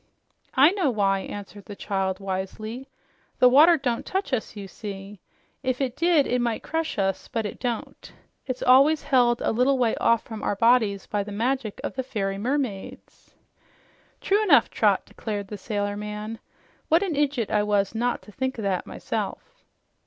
"I know why," answered the child wisely. "The water don't touch us, you see. If it did, it might crush us, but it don't. It's always held a little way off from our bodies by the magic of the fairy mermaids." "True enough, Trot," declared the sailor man. "What an idjut I was not to think o' that myself!"